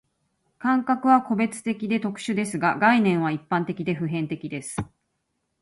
感覚は個別的で特殊ですが、概念は一般的で普遍的です。